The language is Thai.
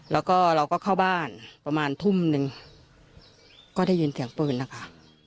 แล้วก็เราก็เข้าบ้านประมาณทุ่มหนึ่งก็ได้ยินเสียงปืนนะคะ